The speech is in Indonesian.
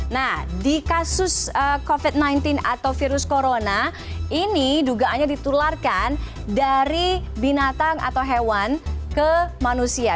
nah di kasus covid sembilan belas atau virus corona ini dugaannya ditularkan dari binatang atau hewan ke manusia